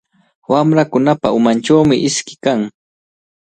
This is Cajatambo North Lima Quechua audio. Wamrakunapa umanchawmi iski kan.